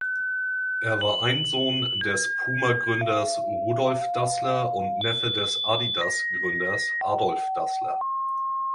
Er war ein Sohn des "Puma"-Gründers Rudolf Dassler und Neffe des "Adidas"-Gründers Adolf Dassler.